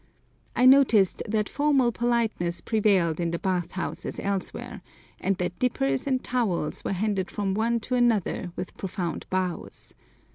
I noticed that formal politeness prevailed in the bath house as elsewhere, and that dippers and towels were handed from one to another with profound bows.